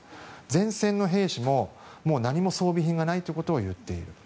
前線の兵士も、もう何も装備品がないということを言っている。